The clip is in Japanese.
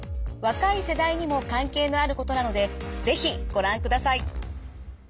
若い世代にも関係のあることなので是非ご覧ください。